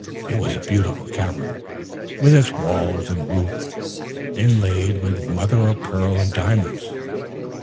It was a beautiful cavern, with its walls and roof inlaid with mother of pearl and diamonds.